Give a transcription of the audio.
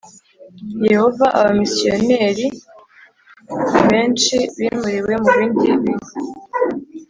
Yehova abamisiyonari benshi bimuriwe mu bindi bihu